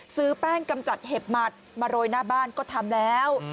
ซื้อแป้งกำจัดเห็บหมัดมาโรยหน้าบ้านก็ทำแล้ว